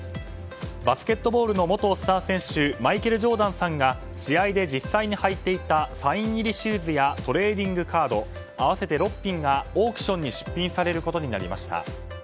バスケットボールの元スター選手マイケル・ジョーダンさんが試合で実際に履いていたサイン入りシューズやトレーディングカード合わせて６品がオークションに出品されることになりました。